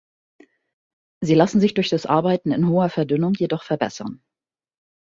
Sie lassen sich durch das Arbeiten in hoher Verdünnung jedoch verbessern.